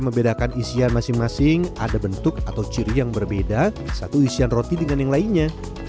membedakan isian masing masing ada bentuk atau ciri yang berbeda satu isian roti dengan yang lainnya